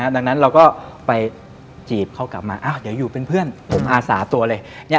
ดังนั้นเราก็ไปจีบเขากลับมาเดี๋ยวอยู่เป็นเพื่อนผมอาสาตัวเลย